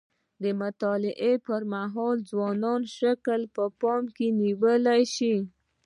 د مطالعې پر مهال ځوان شکل په پام کې نیول شوی.